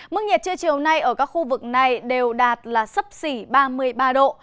mức nhiệt trưa chiều nay ở các khu vực này đều đạt là sấp xỉ ba mươi ba độ